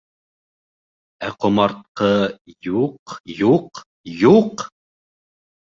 Ә ҡомартҡы -юҡ, юҡ, юҡ!